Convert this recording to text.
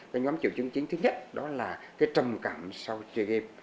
cái nhóm triệu chứng chính thứ nhất đó là cái trầm cảm sau chơi game